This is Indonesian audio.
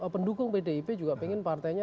pendukung pdip juga pengen partainya